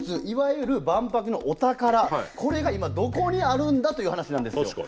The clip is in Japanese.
いわゆる万博のお宝これが今どこにあるんだという話なんですよ。